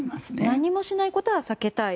何もしないことは避けたい。